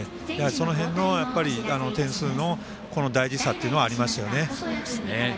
その辺の点数の大事さっていうのはありますよね。